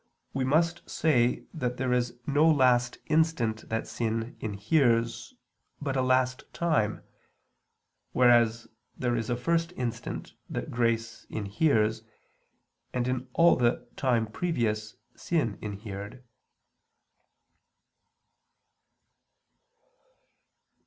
we must say that there is no last instant that sin inheres, but a last time; whereas there is a first instant that grace inheres; and in all the time previous sin inhered.